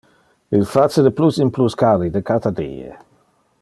Il face de plus in plus calide cata die.